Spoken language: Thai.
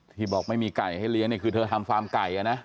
บอกไม่มีไก่ให้เลี้ยงนี่คือเธอทำฟาร์มไก่นะ